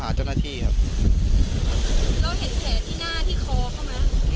แล้วเห็นแขนที่หน้าที่คอเข้าไหม